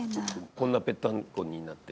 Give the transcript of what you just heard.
こんなぺったんこになって。